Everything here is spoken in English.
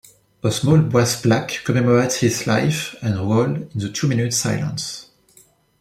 A small brass plaque commemorates his life and role in the two minutes silence.